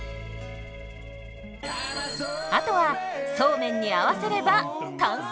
あとはそうめんに合わせれば完成。